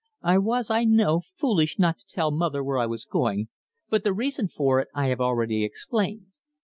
I was, I know, foolish not to tell mother where I was going, but the reason for it I have already explained.